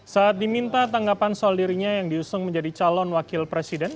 saat diminta tanggapan soal dirinya yang diusung menjadi calon wakil presiden